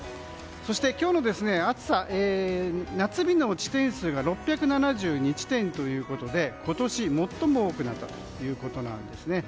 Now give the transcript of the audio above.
そして今日の暑さ夏日の地点数が６７２地点ということで今年最も多くなったんですね。